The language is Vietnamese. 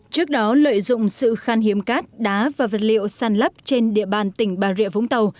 trước đó lợi dụng sự khan hiếm cát đá và vật liệu sàn lấp trên địa bàn tỉnh bà rịa vũng tàu